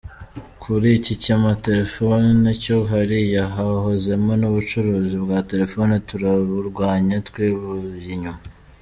Kuri iki cy’amatelefoni cyo hariya hahozemo n’ ubucuruzi bwa telefoni turaburwanya twivuye inyuma”.